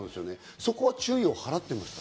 そこは注意を払ってましたか？